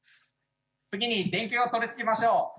次に電球を取り付けましょう。